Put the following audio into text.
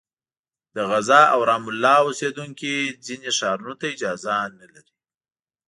د غزه او رام الله اوسېدونکي ځینو ښارونو ته اجازه نه لري.